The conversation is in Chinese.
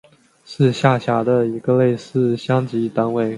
是下辖的一个类似乡级单位。